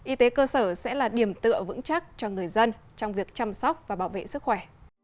y tế cơ sở sẽ là điểm tựa vững chắc cho người dân trong việc chăm sóc và bảo vệ sức khỏe